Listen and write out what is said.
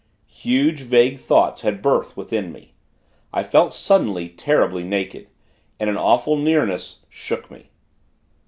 Huge, vague thoughts had birth within me. I felt, suddenly, terribly naked. And an awful Nearness, shook me.